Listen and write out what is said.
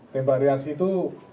tembak reaksi itu